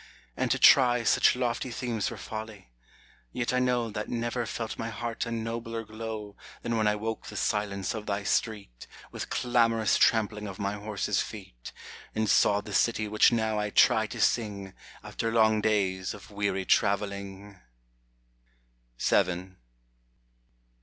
and to try Such lofty themes were folly : yet I know That never felt my heart a nobler glow Than when I woke the silence of thy street With clamorous trampling of my horse's feet, And saw the city which now I try to sing, After long days of weary traveling.